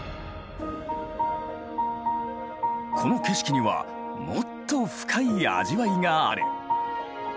この景色にはもっと深い味わいがある。